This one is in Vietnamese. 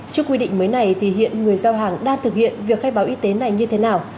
trước quy định mới này thì hiện người giao hàng đang thực hiện việc khai báo y tế này như thế nào